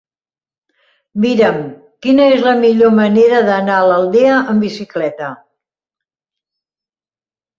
Mira'm quina és la millor manera d'anar a l'Aldea amb bicicleta.